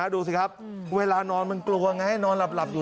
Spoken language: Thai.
ดูสิครับเวลานอนมันกลัวไงนอนหลับอยู่